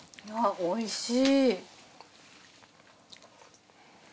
おいしい。